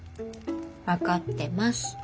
分かってます。